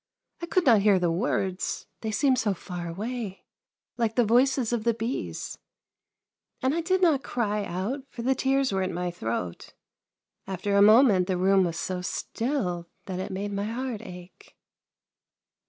I could not hear the words, they seemed so far away, Hke the voices of the bees ; and I did not cry out, for the tears were in my throat. After a moment the room was so still that it made my heart ache."